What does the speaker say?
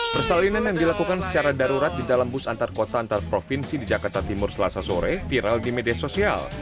persalinan yang dilakukan secara darurat di dalam bus antar kota antar provinsi di jakarta timur selasa sore viral di media sosial